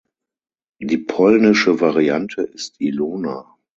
Die polnische Variante ist Ilona.